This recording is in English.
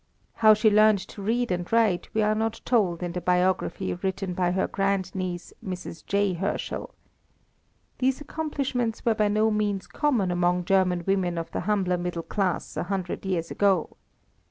How she learned to read and write we are not told in the biography written by her grand niece, Mrs. J. Herschel. These accomplishments were by no means common among German women of the humbler middle class a hundred years ago.